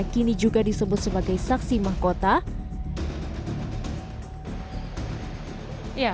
kini juga disebut sebagai saksi mahkota